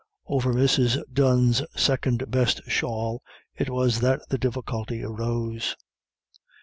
Over Mrs. Dunne's second best shawl it was that the difficulty arose.